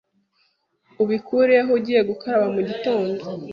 ubikureho ugiye gukaraba mu gitondo